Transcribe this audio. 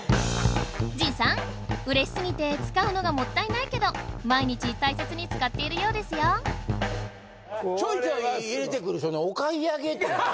陣さん嬉しすぎて使うのがもったいないけど毎日大切に使っているようですよちょいちょい入れてくるその。